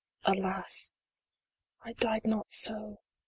Alas ! I died not so